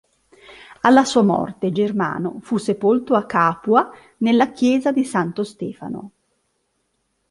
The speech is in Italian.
Alla sua morte Germano fu sepolto a Capua nella chiesa di Santo Stefano.